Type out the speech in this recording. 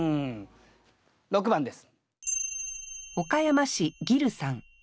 ６番です。